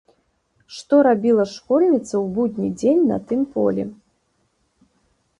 Што рабіла школьніца ў будні дзень на тым полі?